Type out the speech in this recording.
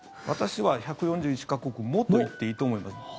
私は１４１か国もと言っていいと思います。